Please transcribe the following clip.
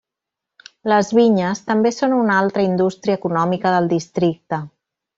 Les vinyes també són una altra indústria econòmica del districte.